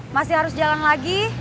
masih harus jalan lagi